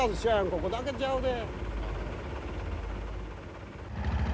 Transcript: ここだけちゃうで。